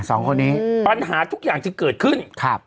สองคนนี้อืมปัญหาทุกอย่างจึงเกิดขึ้นครับ